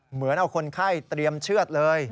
เหมือนเอาคนไข้เตรียมเชือดเลย